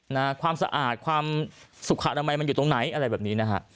ความสะอาดความสุขอนามัยมันอยู่ตรงไหนอะไรแบบนี้นะฮะ